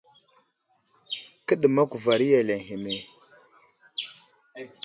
Kəɗəmak kuvar iya ane ləŋkeme ?